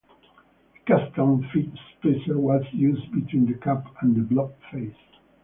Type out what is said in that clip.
A custom fit spacer was used between the cap and the block face.